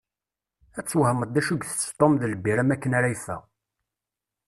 Ad twehmeḍ d acu itess Tom d lbira makken ara yeffeɣ.